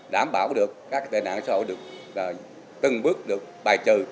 đảm bảo được các tệ nạn xã hội được từng bước được bài trừ